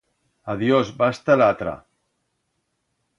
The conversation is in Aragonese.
Adiós, basta l'atra!